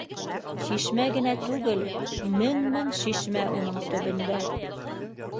— Шишмә генә түгел, мең-мең шишмә уның төбөндә